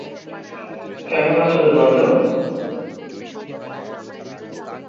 যার বিষয়ে তিনি একটি পৃথক বইয়ে আলোচনা করেন।